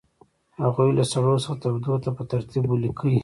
هغوی له سړو څخه تودو ته په ترتیب ولیکئ.